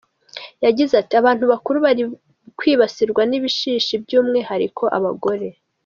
Yagize ati “ Abantu bakuru bari kwibasirwa n’ibishishi by’umwihariko abagore.